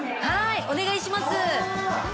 はいお願いします。